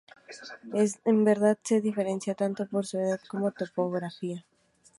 En verdad se diferencian tanto por su edad como topografía.